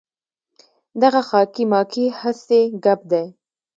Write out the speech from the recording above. دغه خاکې ماکې هسې ګپ دی.